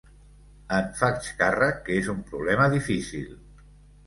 Em faig càrrec que és un problema difícil.